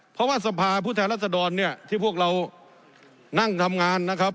เพราะว่าสภาผู้แทนรัศดรเนี่ยที่พวกเรานั่งทำงานนะครับ